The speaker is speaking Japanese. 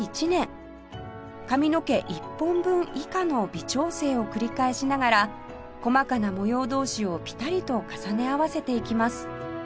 髪の毛１本分以下の微調整を繰り返しながら細かな模様同士をピタリと重ね合わせていきます